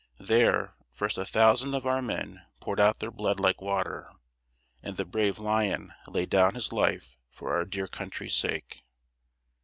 There first a thousand of our men poured out their blood like water, and the brave Lyon laid down his life "for our dear country's sake."